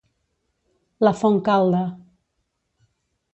La Fontcalda